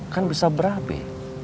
kan bisa berabe